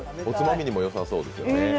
おつまみにもよさそうですね。